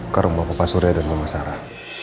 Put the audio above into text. ke rumah bapak surya dan bapak sarah